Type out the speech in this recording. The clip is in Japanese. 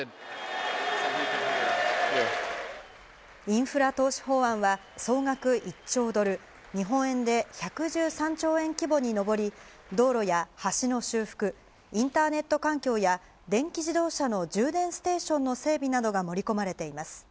インフラ投資法案は、総額１兆ドル、日本円で１１３兆円規模に上り、道路や橋の修復、インターネット環境や電気自動車の充電ステーションの整備などが盛り込まれています。